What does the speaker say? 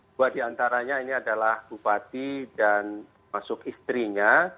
dua di antaranya ini adalah bupati dan masuk istrinya